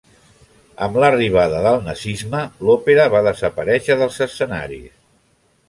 Amb l'arribada del nazisme, l'òpera va desaparèixer dels escenaris.